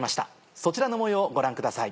そちらの模様をご覧ください。